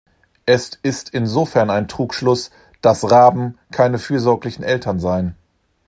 Es ist insofern ein Trugschluss, dass Raben keine fürsorglichen Eltern seien.